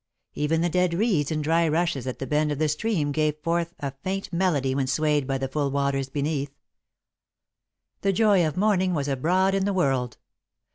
Even the dead reeds and dry rushes at the bend of the stream gave forth a faint melody when swayed by the full waters beneath. The joy of morning was abroad in the world.